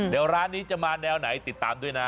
เดี๋ยวร้านนี้จะมาแนวไหนติดตามด้วยนะ